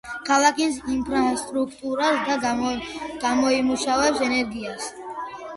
ქალაქის ინფრასტრუქტურას და გამოიმუშავებს ენერგიას.